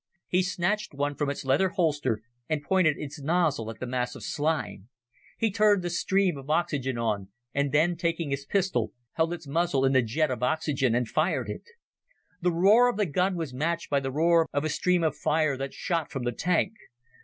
He snatched one from its leather holster, and pointed its nozzle at the mass of slime. He turned the stream of oxygen on, and then, taking his pistol, held its muzzle in the jet of oxygen and fired it. The roar of the gun was matched by the roar of a stream of fire that shot from the tank.